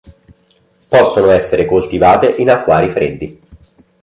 Possono essere coltivate in acquari freddi.